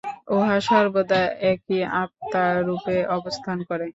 উহা সর্বদা একই আত্মারূপে অবস্থান করে।